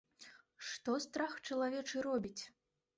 Што страх чалавечы робіць!